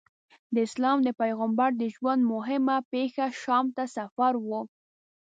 د اسلام د پیغمبر د ژوند موهمه پېښه شام ته سفر و.